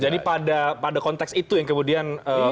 jadi pada konteks itu yang kemudian